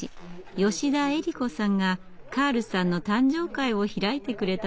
吉田えり子さんがカールさんの誕生会を開いてくれたのです。